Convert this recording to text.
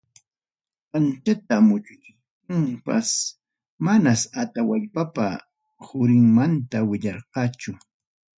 Anchata muchuchiptinpas, manas Atawallpapa qurinmanta willarqachu.